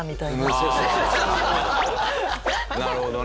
なるほどね。